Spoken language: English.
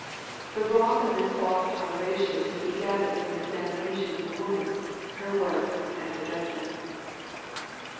The wrong of this false toleration may be gathered from an examination of the woman, her work, and her judgment.